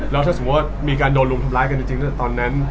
แล้วถ้าสมมุติว่ามีการโดนรุมทำร้ายกันจริงตั้งแต่ตอนนั้น